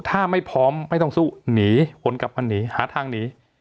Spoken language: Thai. ถ้าไม่พร้อมไม่ต้องสู้หนีผลกลับพันหนีหาทางหนี